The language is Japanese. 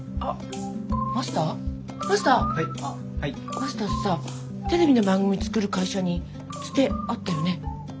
マスターさテレビの番組作る会社にツテあったよね？